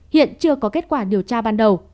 hiện chưa có kết quả điều tra ban đầu